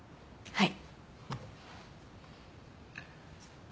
はい。